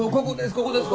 ここです